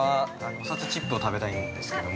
おさつチップを食べたいんですけども。